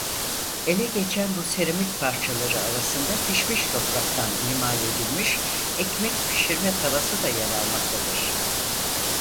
Ele geçen bu seramik parçaları arasında pişmiş topraktan imal edilmiş ekmek pişirme tavası da yer almaktadır.